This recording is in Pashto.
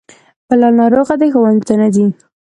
بلال ناروغه دی, ښونځي ته نه ځي